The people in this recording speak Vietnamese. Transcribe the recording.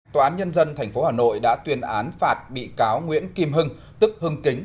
tòa án nhân dân tp hà nội đã tuyên án phạt bị cáo nguyễn kim hưng tức hưng kính